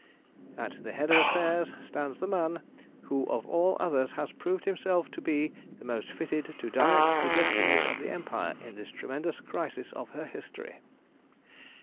"At the head of affairs stands the man who of all others has proved himself to be the most fitted to direct the destinies of the empire in this tremendous crisis of her history.